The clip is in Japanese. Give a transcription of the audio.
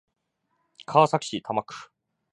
川崎市多摩区